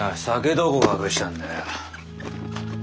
どこ隠したんだよ？